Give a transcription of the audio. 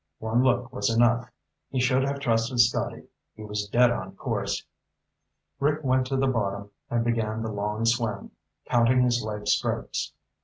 One look was enough. He should have trusted Scotty. He was dead on course. Rick went to the bottom and began the long swim, counting his leg strokes.